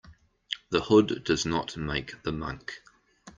The hood does not make the monk.